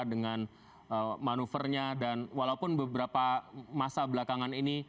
dengan manuvernya dan walaupun beberapa masa belakangan ini